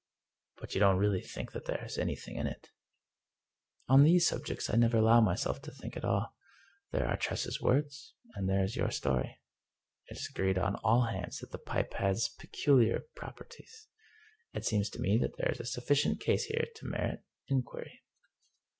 " But you don't really think that there is anything in it ?"" On tfiese subjects I never allow myself to think at all. There are Tress's words, and there is your story. It is agreed on all hands that the pipe has peculiar properties. It seems to me that there is a sufficient case here to merit inquiry."